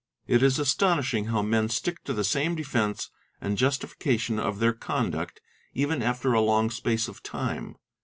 It is astonishing how men stick to the same defence and justification of their conduct, even after a long space of time.